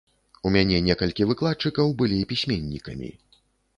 У мяне некалькі выкладчыкаў былі пісьменнікамі.